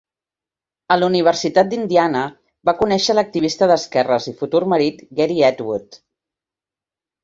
A l'Universitat d'Indiana va conèixer l'activista d'esquerres i futur marit Gary Atwood.